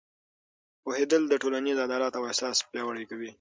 پوهېدل د ټولنیز عدالت احساس پیاوړی کوي.